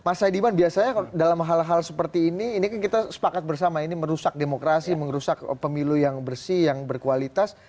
mas saidiman biasanya dalam hal hal seperti ini ini kan kita sepakat bersama ini merusak demokrasi merusak pemilu yang bersih yang berkualitas